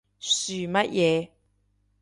噓乜嘢？